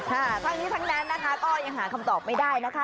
ทั้งนี้ทั้งนั้นนะคะก็ยังหาคำตอบไม่ได้นะคะ